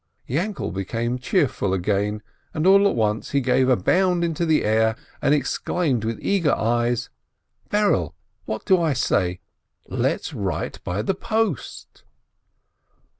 Yainkele became cheerful again, and all at once he gave a bound into the air, and exclaimed with eager eyes: "Berele, do what I say ! Let's write by the post